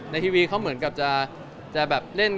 ในทีวีเขาเหมือนกับจะ